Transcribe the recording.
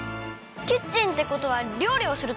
キッチンってことはりょうりをするところ？